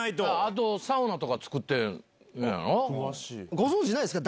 ご存じないですか？